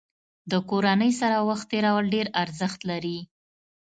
د کورنۍ سره وخت تېرول ډېر ارزښت لري.